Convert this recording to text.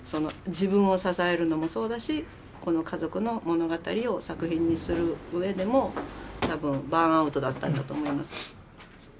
自分を支えるのもそうだしこの家族の物語を作品にするうえでも多分バーンアウトだったんだと思います。